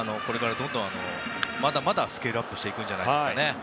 まだまだスケールアップしていくんじゃないですか。